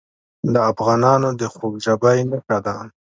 د افغانانو د خوږ ژبۍ نښه ده.